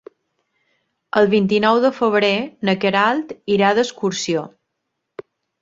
El vint-i-nou de febrer na Queralt irà d'excursió.